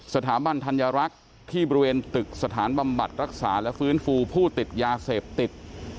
สถาบันธัญรักษ์ที่บริเวณตึกสถานบำบัดรักษาและฟื้นฟูผู้ติดยาเสพติด